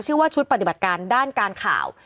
ชื่อว่าชุดปฏิบัติการด้านการข่าว